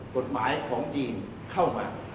กฎหมายของจีนเข้ามา